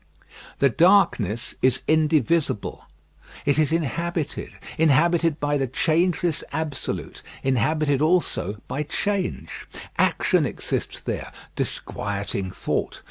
The darkness is indivisible. It is inhabited. Inhabited by the changeless absolute; inhabited also by change. Action exists there, disquieting thought!